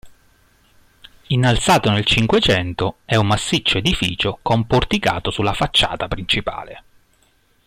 Innalzato nel Cinquecento, è un massiccio edificio con porticato sulla facciata principale.